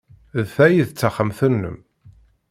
D ta ay d taxxamt-nnem?